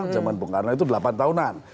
zaman punggangan itu delapan tahunan